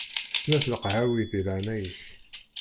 Snat n leqhawi di leɛnaya-k.